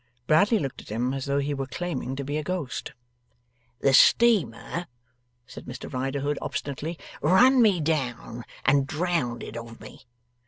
Bradley looked at him, as though he were claiming to be a Ghost. 'The steamer,' said Mr Riderhood, obstinately, 'run me down and drownded of me.